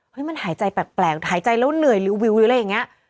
มันหายใจแปลกหายใจแล้วเหนื่อยหรือวิวหรืออะไรอย่างนี้